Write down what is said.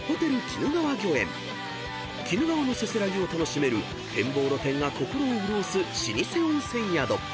［鬼怒川のせせらぎを楽しめる展望露天が心を潤す老舗温泉宿］